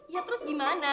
ya terus gimana